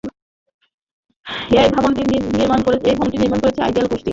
এই ভবনটির নির্মাণ করছে আইডিয়াল গোষ্ঠী।